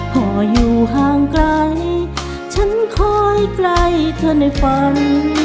พออยู่ห่างไกลฉันคอยไกลเธอในฝัน